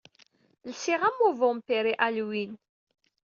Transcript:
Lsiɣ-d am uvampir i Halloween.